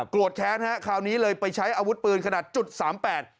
แค้นฮะคราวนี้เลยไปใช้อาวุธปืนขนาดจุดสามแปด